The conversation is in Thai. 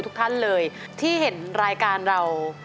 ขอบคุณค่ะ